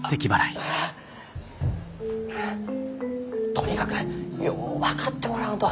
とにかくよう分かってもらわんと。